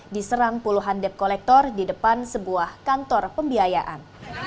diserang puluhan dep kolektor di depan sebuah kantor pembiayaan